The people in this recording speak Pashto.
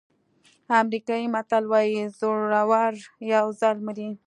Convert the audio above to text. امریکایي متل وایي زړور یو ځل مري.